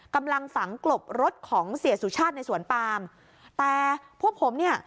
กำลังฝังกลบรถของเสียสุชาติในสวนปามแต่พวกผมเนี่ย